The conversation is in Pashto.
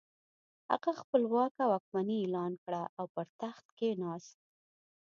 هغه خپله واکمني اعلان کړه او پر تخت کښېناست.